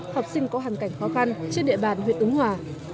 học sinh có hoàn cảnh khó khăn trên địa bàn huyện ứng hòa